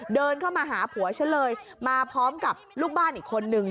เดินเข้ามาหาผัวฉันเลยมาพร้อมกับลูกบ้านอีกคนนึง